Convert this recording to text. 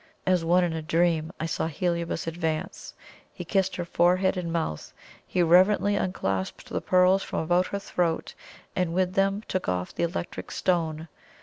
As one in a dream, I saw Heliobas advance; he kissed her forehead and mouth; he reverently unclasped the pearls from about her throat, and with them took off the electric stone.